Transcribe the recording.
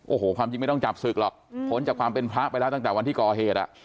โอ้โหความจริงไม่ต้องจับศึกหรอกพ้นจากความเป็นพระไปแล้วตั้งแต่วันที่ก่อเหตุอ่ะ